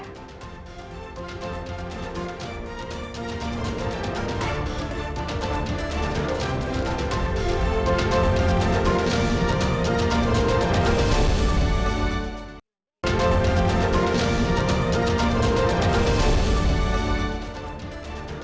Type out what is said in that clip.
kepala kepala kepala